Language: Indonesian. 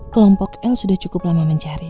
kelompok l sudah cukup lama mencari